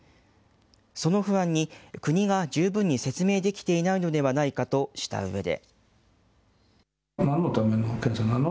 その不安に、国が十分に説明できていないのではないかとしたうえで。